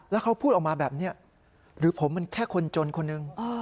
แล้วเขาพูดออกมาแบบนี้หรือผมมันแค่คนจนคนหนึ่ง